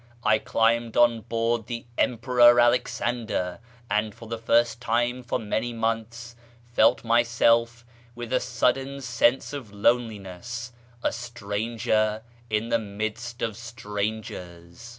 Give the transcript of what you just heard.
I climbed on board the Enqnyror Ah\mndcr, and, for the first time for many months, felt myself, wdth a sudden sense of loneliness, a stranger in the midst of strangers.